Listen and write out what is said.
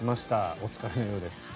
お疲れのようです。